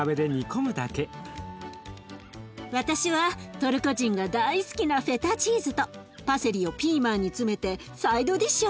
私はトルコ人が大好きなフェタチーズとパセリをピーマンに詰めてサイドディッシュをつくります。